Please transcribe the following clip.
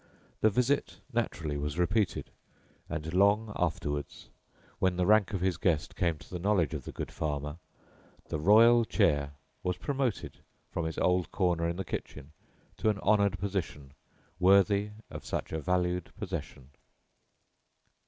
The visit naturally was repeated; and long afterwards, when the rank of his guest came to the knowledge of the good farmer, the royal chair was promoted from its old corner in the kitchen to an honored position worthy of such a valued possession.